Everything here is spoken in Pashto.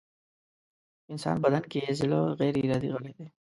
انسان بدن کې زړه غيري ارادې غړی دی.